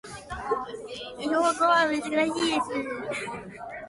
日本語は難しいです